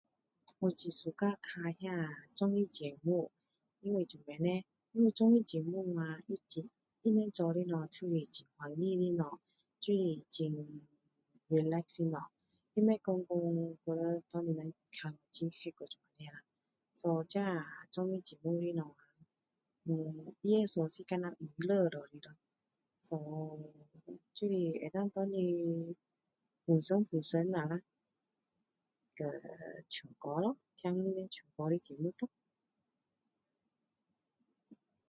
我很喜欢看那综艺节目因为做什么叻因为综艺节目啊他很他们做的东西都是很开心的东西就是很relax的东西他不会说说我们拿来看了很累那种